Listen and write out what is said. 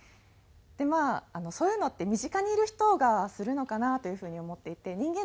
でまあそういうのって身近にいる人がするのかなという風に思っていて人間